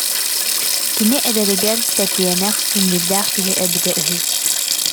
Кини эдэригэр тэтиэнэх, иҥиирдээх киһи эбитэ үһү